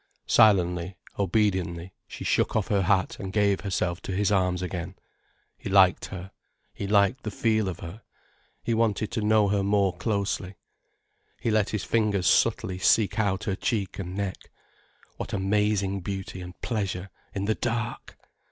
Silently, obediently, she shook off her hat and gave herself to his arms again. He liked her—he liked the feel of her—he wanted to know her more closely. He let his fingers subtly seek out her cheek and neck. What amazing beauty and pleasure, in the dark!